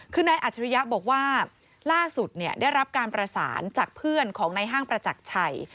คือนายอัจฉริยะบอกว่าล่าสุดได้รับการประสานจากเพื่อนของในห้างประจักรชัย